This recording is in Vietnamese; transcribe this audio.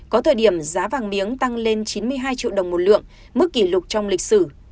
có thời điểm giá vàng miếng tăng lên chín mươi hai triệu đồng một lượng mức kỷ lục trong lịch sử